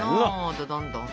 どどんどん。